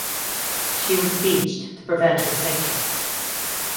She was beached to prevent her sinking.